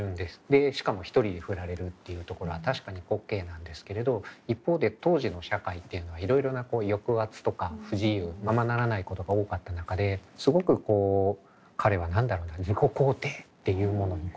でしかも一人で振られるっていうところは確かに滑稽なんですけれど一方で当時の社会っていうのはいろいろな抑圧とか不自由ままならないことが多かった中ですごくこう彼は何だろうな自己肯定っていうものにこだわった。